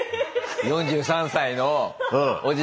４３歳のおじさんが。